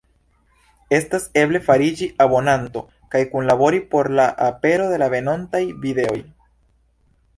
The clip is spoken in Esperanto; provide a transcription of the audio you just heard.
Estas eble fariĝi abonanto kaj kunlabori por la apero de venontaj videoj.